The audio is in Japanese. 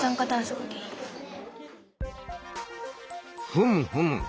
ふむふむ。